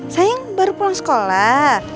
sayang baru pulang sekolah